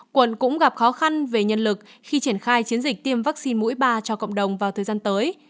quận cũng gặp khó khăn về nhân lực khi triển khai chiến dịch tiêm vaccine mũi ba cho cộng đồng vào thời gian tới